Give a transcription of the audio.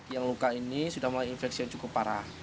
yang luka ini sudah mulai infeksi yang cukup parah